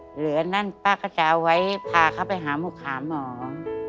เหลืออันนั้นป้าก็จะเอาไว้พาเขาไปหาหมอ